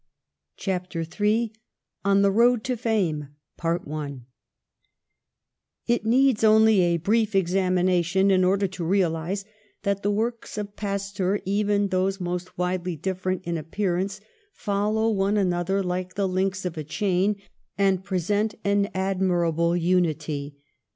CHAPTER III ON THE ROAD TO FAME IT needs only a brief examination in order to realise that the works of Pasteur, even those most widely different in appearance, fol low one another like the links of a chain and present an admirable unity.